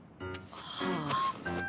はあ。